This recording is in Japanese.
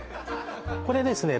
これですね